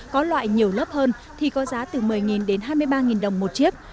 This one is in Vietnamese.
có loại nhiều lớp hơn thì có giá từ một mươi đến hai mươi ba đồng một chiếc